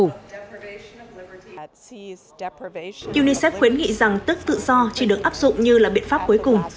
unicef khuyến nghị rằng tức tự do chỉ được áp dụng như là biện pháp cuối cùng